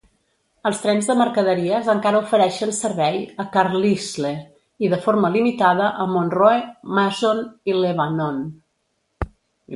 Els trens de mercaderies encara ofereixen servei a Carlisle, i de forma limitada a Monroe, Mason i Lebanon.